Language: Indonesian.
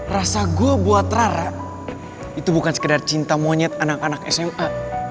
rasa gue buat rara itu bukan sekedar cinta monyet anak anak sma